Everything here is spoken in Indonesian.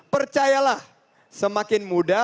percayalah semakin muda